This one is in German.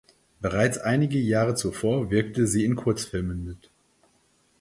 Bereits einige Jahre zuvor wirkte sie in Kurzfilmen mit.